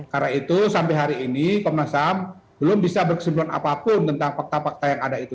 karena itu sampai hari ini komnas ham belum bisa berkesempatan apapun tentang fakta fakta yang ada itu